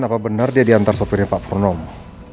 apakah benar dia diantar sopirnya pak purnomo